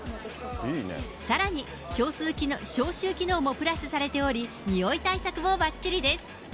さらに消臭機能もプラスされており、臭い対策もばっちりです。